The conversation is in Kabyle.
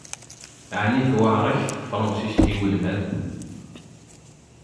Aɛni tewɛeṛ-ak tefransist i welmad?